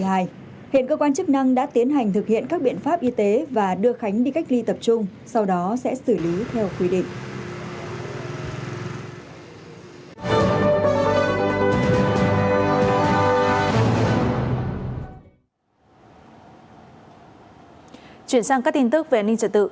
hiện cơ quan chức năng đã tiến hành thực hiện các biện pháp y tế và đưa khánh đi cách ly tập trung sau đó sẽ xử lý theo quy định